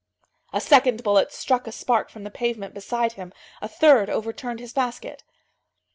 A second bullet struck a spark from the pavement beside him.—A third overturned his basket.